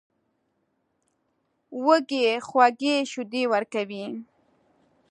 وزې خوږې شیدې ورکوي